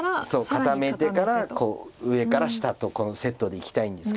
固めてから上から下とこのセットでいきたいんです。